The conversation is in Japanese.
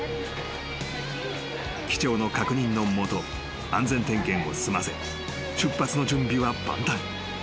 ［機長の確認の下安全点検を済ませ出発の準備は万端］